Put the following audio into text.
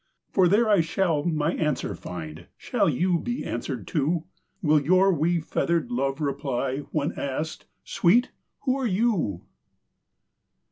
For there I shall my answer find. Shall you be answered, too? Will your wee feathered love reply, When asked, "Sweet, who are you?"